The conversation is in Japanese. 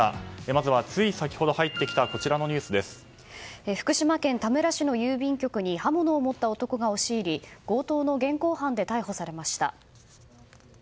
まずは、つい先ほど入ってきた福島県田村市の郵便局に刃物を持った男が押し入り強盗の現行犯で逮捕されました。